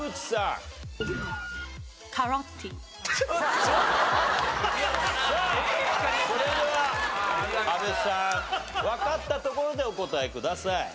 さあそれでは阿部さんわかったところでお答えください。